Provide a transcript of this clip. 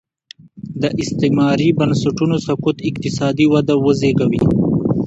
د استعماري بنسټونو سقوط اقتصادي وده وزېږوي.